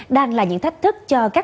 đang là những thách thức